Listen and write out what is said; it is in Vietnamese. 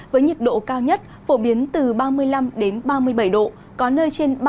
với nhiệt độ cao nhất phổ biến từ ba mươi năm ba mươi năm độ